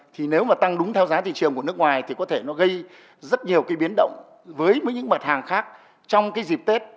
thì nếu mà tăng đúng theo giá thị trường của nước ngoài thì có thể nó gây rất nhiều cái biến động với những mặt hàng khác trong cái dịp tết